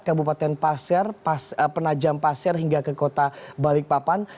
kabupaten pasir penajam pasir hingga ke kota balikpapan